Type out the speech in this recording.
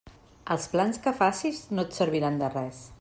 Els plans que facis no et serviran de res.